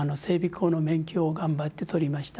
工の免許を頑張って取りました。